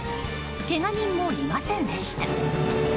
けが人もいませんでした。